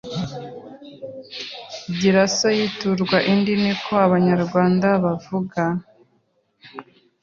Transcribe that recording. Giraso yiturwa indi niko abanyarwanda bavuga